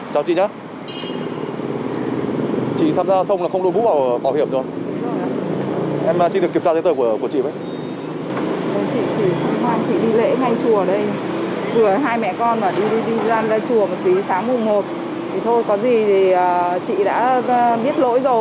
chào chị nhé